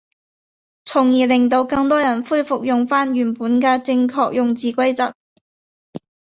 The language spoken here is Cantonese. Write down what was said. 從而令到更多人恢復用返原本嘅正確用字規則